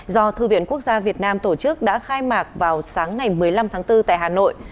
do thư viện quốc gia việt nam tổ chức đã khai mạc vào sáng ngày một mươi năm tháng bốn tại hà nội